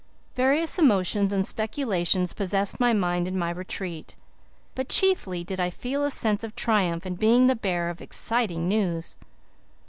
Various emotions and speculations possessed my mind in my retreat; but chiefly did I feel a sense of triumph in being the bearer of exciting news.